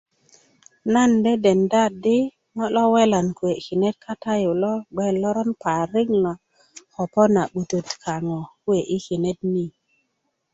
nan de denda di ŋo' lo welan yi kinet kata yu lo gbe lo loron parik lo ko po na 'butet kaŋo kuwe' yi kinet ni